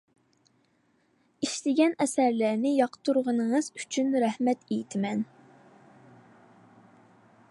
ئىشلىگەن ئەسەرلەرنى ياقتۇرغىنىڭىز ئۈچۈن رەھمەت ئېيتىمەن.